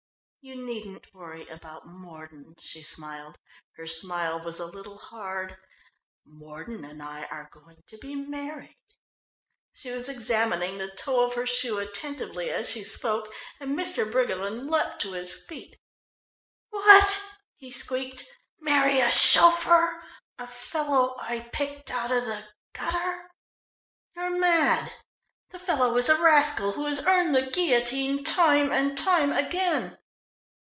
"You needn't worry about Mordon," she smiled. Her smile was a little hard. "Mordon and I are going to be married." She was examining the toe of her shoe attentively as she spoke, and Mr. Briggerland leapt to his feet. "What!" he squeaked. "Marry a chauffeur? A fellow I picked out of the gutter? You're mad! The fellow is a rascal who has earned the guillotine time and time again."